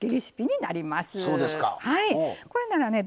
これならね